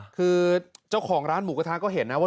คือเจ้าของร้านหมูกระทะก็เห็นนะว่า